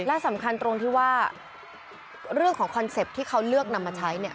และสำคัญตรงที่ว่าเรื่องของคอนเซ็ปต์ที่เขาเลือกนำมาใช้เนี่ย